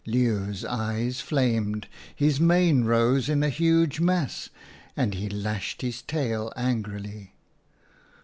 " Leeuw's eyes flamed, his mane rose in a huge mass and he lashed his tail angrily.